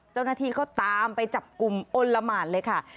เจ้าหน้าที่ก็ตามไปจับกลุ่มอ้นละหมานเลยค่ะ